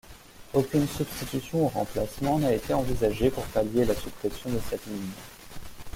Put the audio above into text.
Aucune substitution ou remplacement n'a été envisagé pour palier la suppression de cette ligne.